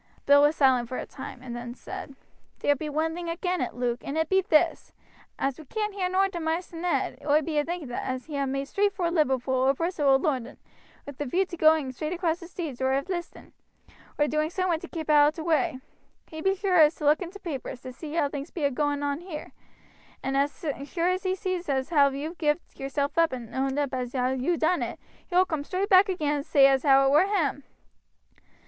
Bill was silent for a time and then said: "Ther be one thing agin' it, Luke, and it be this: As we can't hear nowt of Maister Ned, oi be a thinking as he ha' made straight vor Liverpool or Bristol or London, wi' a view to going straight across the seas or of 'listing, or doing somewhat to keep out of t' way. He be sure to look in t' papers, to see how things be a going on here; and as sure as he sees as how you've gived yourself up and owed up as you ha' done it, he will coom straight back again and say as how it were him."